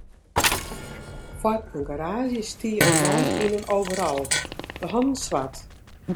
Foar in garaazje stie in man yn in overal, de hannen swart.